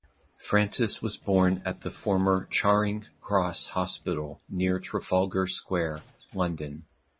Francis was born at the former Charing Cross Hospital near Trafalgar Square, London.